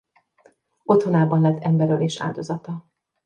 Otthonában lett emberölés áldozata.